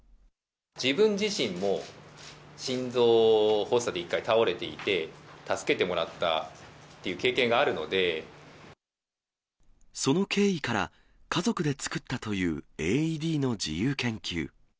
自分自身も、心臓発作で一回倒れていて、助けてもらったっていう経験があその経緯から、家族で作ったというＡＥＤの自由研究。